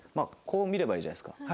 こう見ればいいじゃないですか。